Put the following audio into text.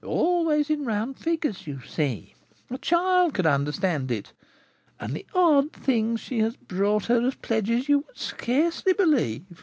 Always in round figures, you see, a child could understand it. And the odd things she has brought her as pledges you would scarcely believe.